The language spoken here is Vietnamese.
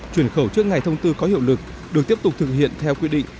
chuyển khẩu trước ngày thông tư có hiệu lực được tiếp tục thực hiện theo quy định